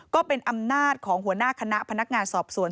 ธรรมนาฏของหัวหน้าคณะพนักงานสอบสวน